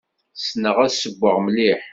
Ssneɣ ad ssewweɣ mliḥ.